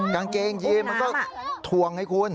กางเกงยีนมันก็ถ่วงไงคุณ